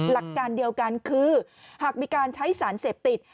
หลักการเดียวกันคือหากมีการใช้สารเสพติด